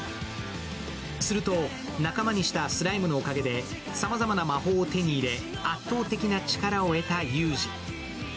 すると、仲間にしたスライムのおかげでさまざまな魔法を手に入れ圧倒的な力を得たユージ。